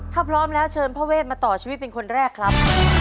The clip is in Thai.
ถ้าพร้อมแล้วเชิญพ่อเวทมาต่อชีวิตเป็นคนแรกครับ